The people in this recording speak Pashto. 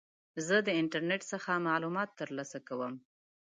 زه د انټرنیټ څخه معلومات ترلاسه کوم.